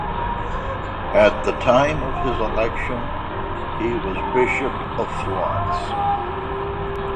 At the time of his election, he was Bishop of Florence.